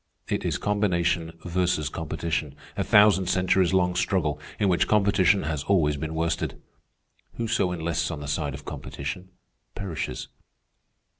It is combination versus competition, a thousand centuries long struggle, in which competition has always been worsted. Whoso enlists on the side of competition perishes."